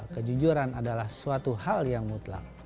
kejujuran adalah suatu hal yang mutlak